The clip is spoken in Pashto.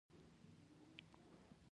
• کله کله ژړا کول د خاموشۍ نه غوره وي.